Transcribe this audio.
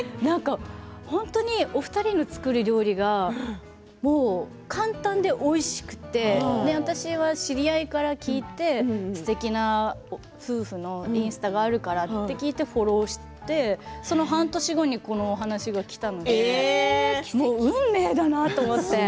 本当に、お二人の作る料理がもう簡単でおいしくて私は知り合いから聞いてすてきな夫婦のインスタがあるからと聞いてフォローしてその半年後にこのお話がきたのでもう運命だなと思って。